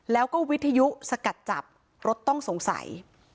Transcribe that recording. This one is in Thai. แล้วก็วิทยุสกัดจับรถต้องสงสัย